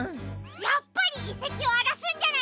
やっぱりいせきをあらすんじゃないか！